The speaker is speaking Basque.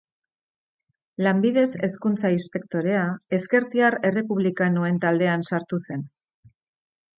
Lanbidez hezkuntza-inspektorea, ezkertiar errepublikanoen taldean sartu zen.